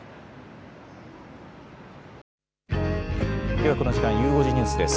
ではこの時間、ゆう５時ニュースです。